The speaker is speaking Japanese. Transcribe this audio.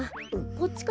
こっちか？